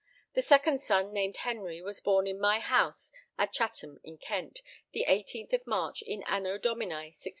The second son named Henry was born in my house at Chatham in Kent the 18th of March in anno Domini 1602.